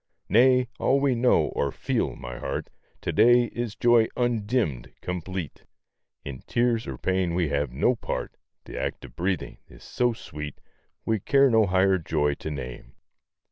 Nay! all we know, or feel, my heart, To day is joy undimmed, complete; In tears or pain we have no part; The act of breathing is so sweet, We care no higher joy to name.